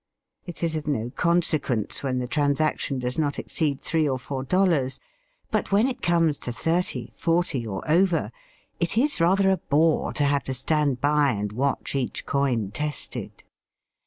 It is of no consequence when the trans action does not exceed three or four dollars, but when it comes to thirty, forty, or over, it Digitized by VjOOQIC DIKDTG AND CBEMATING. 7 is rather a bore to have to stand by and watch each coin tested.